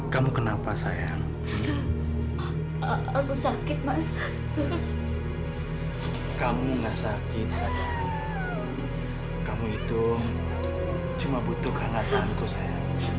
kamu kenapa sayang aku sakit mas kamu enggak sakit kamu itu cuma butuh hangatanku saya